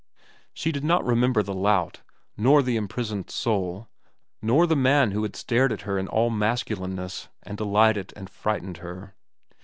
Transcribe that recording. She did not remember the lout, nor the imprisoned soul, nor the man who had stared at her in all masculineness and delighted and frightened her.